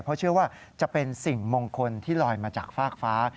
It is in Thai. เพราะเชื่อว่าจะเป็นสิ่งมงคลที่ลอยมาจากฟากฟ้า